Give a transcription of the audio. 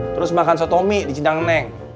terus makan soto mie di cindang neng